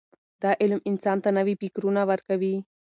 دا علم انسان ته نوي فکرونه ورکوي.